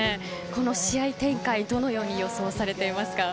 この試合展開、どのように予想されていますか。